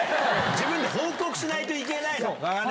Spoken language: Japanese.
自分で報告しないといけないの！